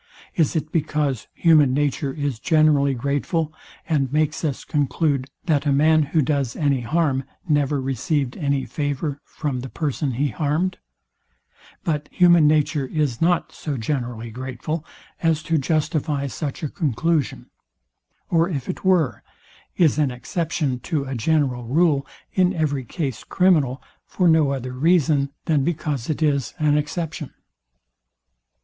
Is it because human nature is generally grateful, and makes us conclude, that a man who does any harm never received any favour from the person he harmed? But human nature is not so generally grateful, as to justify such a conclusion. Or if it were, is an exception to a general rule in every case criminal, for no other reason than because it is an exception?